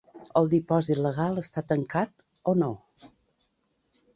El dipòsit legal està tancat, o no?